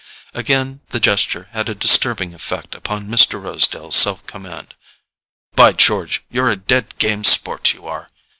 Again the gesture had a disturbing effect upon Mr. Rosedale's self command. "By George, you're a dead game sport, you are!"